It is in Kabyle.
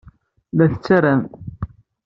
La tettarem.